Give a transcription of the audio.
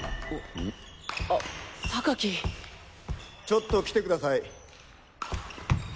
ちょっと来てください。